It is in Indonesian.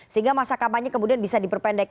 sehingga masa kampanye kemudian bisa diperpendek